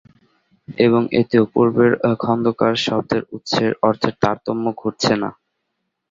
এবং এতেও পূর্বের খন্দকার’ শব্দের উৎসের অর্থের তারতম্য ঘটছে না।